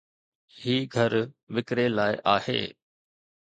هي گهر وڪري لاءِ آهي